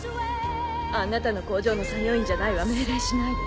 あなたの工場の作業員じゃないわ命令しないで。